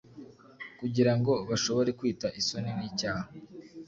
Kugira ngo bashobore kwita isoni nicyaha